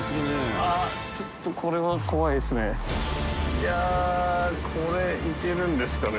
いやぁこれ行けるんですかね？